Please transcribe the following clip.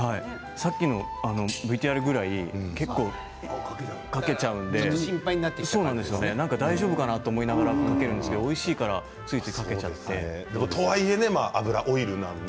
さっきのＶＴＲぐらい結構、かけちゃうんでなんか大丈夫かなと思いながらかけるんですけどおいしいからついついかけちゃって。